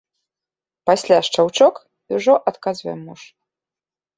Пасля шчаўчок, і ўжо адказвае муж.